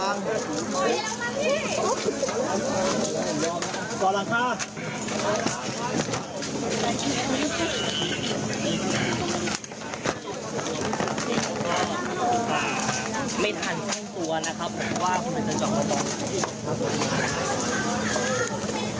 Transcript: ระวังรับป่ะ